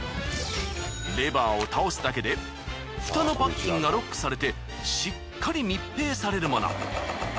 レバーを倒すだけでフタのパッキンがロックされてしっかり密閉されるもの。